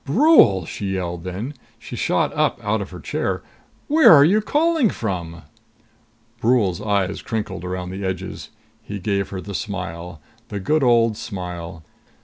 "Brule!" she yelled then. She shot up out of her chair. "Where are you calling from?" Brule's eyes crinkled around the edges. He gave her the smile. The good old smile.